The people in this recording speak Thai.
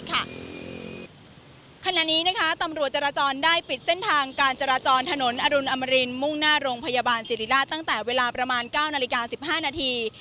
ขณะนี้ตำรวจจราจรได้ปิดเส้นทางการจราจรถนนอรุณอมรินมุ่งหน้าโรงพยาบาลสิริราชตั้งแต่เวลาประมาณ๙นาฬิกา๑๕นาที